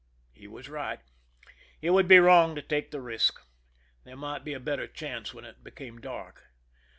He was right. It would be wrong to take the risk. There might be a better chance when it became dark.